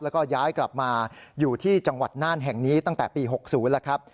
แล้วก็ย้ายกลับมาอยู่ที่จังหวัดน่านแห่งนี้ตั้งแต่ปี๖๐แล้วครับ